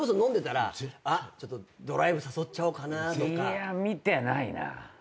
いや見てないな。